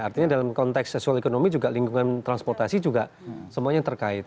artinya dalam konteks seksual ekonomi juga lingkungan transportasi juga semuanya terkait